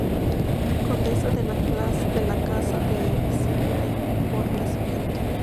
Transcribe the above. Condesa de la Casa de Szilágyi por nacimiento.